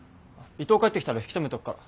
伊藤帰ってきたら引き止めとくから。